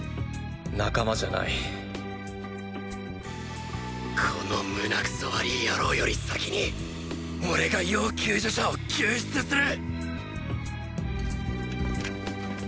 仲間じゃないこのムナクソわり野郎より先に俺が要救助者を救出する！